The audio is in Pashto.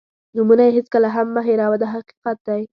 نومونه یې هېڅکله هم مه هېروه دا حقیقت دی.